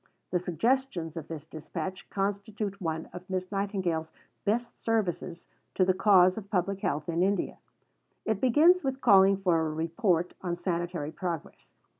The suggestions of this dispatch constitute one of Miss Nightingale's best services to the cause of Public Health in India. It begins with calling for a Report on Sanitary Progress.